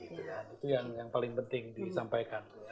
itu yang paling penting disampaikan